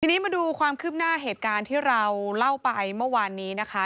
ทีนี้มาดูความคืบหน้าเหตุการณ์ที่เราเล่าไปเมื่อวานนี้นะคะ